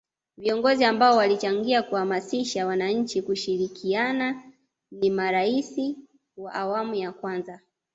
viongozi ambao walichangia kuamasisha wananchi kushirikiana ni marais wa awmu ya kwanza